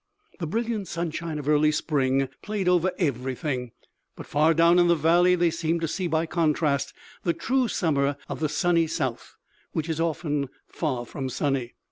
The brilliant sunshine of early spring played over everything, but far down in the valley they seemed to see by contrast the true summer of the sunny south, which is often far from sunny.